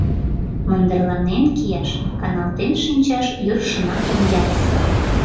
Мындырланен кияш, каналтен шинчаш йӧршынак ом ярсе.